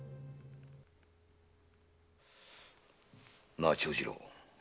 なあ長次郎。